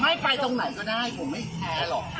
ไม่ไปตรงไหนก็ได้ผมไม่แพ้หรอก